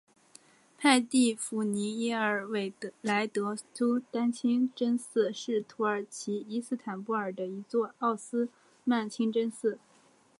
派蒂芙妮耶尔韦莱德苏丹清真寺是土耳其伊斯坦布尔的一座奥斯曼清真寺。